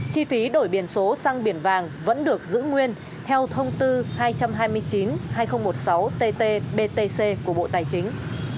chi phí đổi biển số sang biển vàng vẫn được giữ nguyên theo thông tư hai trăm hai mươi chín hai nghìn một mươi sáu tt btc của bộ tài chính